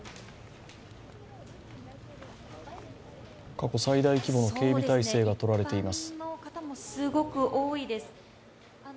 過去最大規模の警備態勢が取られています。